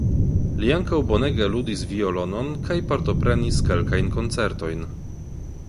Li ankaŭ bonege ludis violonon kaj partoprenis kelkajn koncertojn.